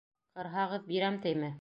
Ҡырһағыҙ, бирәм тейме?